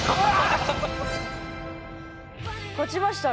勝ちましたね